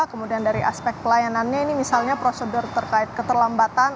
kemudian dari aspek pelayanannya ini misalnya prosedur terkait keterlambatan